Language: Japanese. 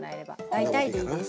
大体でいいです。